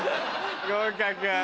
合格。